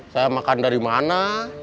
saya makan dari mana